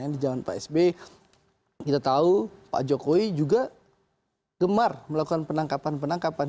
di zaman pak s b kita tahu pak jokowi juga gemar melakukan penangkapan penangkapan